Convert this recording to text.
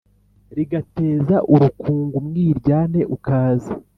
Rigateza urukungu umwiryane ukaza